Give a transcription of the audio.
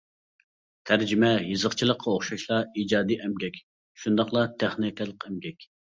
تەرجىمە يېزىقچىلىققا ئوخشاشلا ئىجادىي ئەمگەك، شۇنداقلا تېخنىكىلىق ئەمگەك.